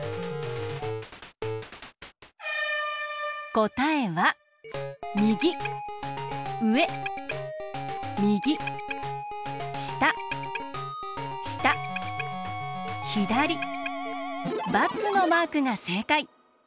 こたえはみぎうえみぎしたしたひだりばつのマークがせいかい。